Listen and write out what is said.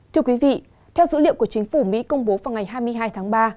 thưa quý vị theo dữ liệu của chính phủ mỹ công bố vào ngày hai mươi hai tháng ba